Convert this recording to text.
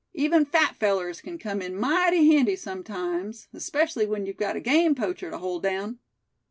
Even fat fellers c'n come in mighty handy sometimes, especially when you've got a game poacher to hold down."